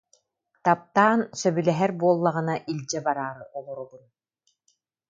Таптаан, сөбүлэһэр буоллаҕына илдьэ бараары олоробун